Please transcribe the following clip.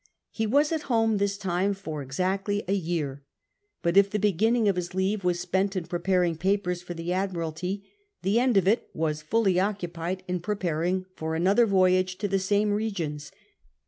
Ho was at home this time for exactly a year. But if the beginning of his leave was spent in pre 2 )aring papers for the Admiralty, the end of it was fully occupied in preparing for another voyage to the same regions.